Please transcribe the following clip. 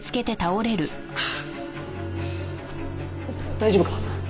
大丈夫か？